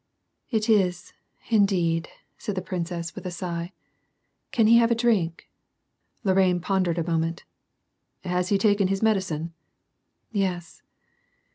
" It is, indeed," said the princess, with a sigh. " Can he have a drink ?" Lorrain pondered a moment. " Has he taken his medicine ?"" Yes."